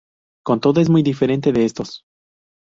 Con todo, es muy diferente de estos.